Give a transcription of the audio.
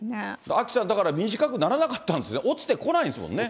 アキさん、だから短くならなかったんですね、落ちてこないんですもんね。